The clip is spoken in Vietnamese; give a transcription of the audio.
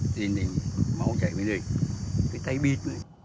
thì này máu chảy bên đây cái tay bịt